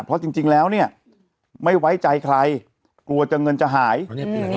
เพราะจริงแล้วเนี่ยไม่ไว้ใจใครกลัวจะเงินจะหาย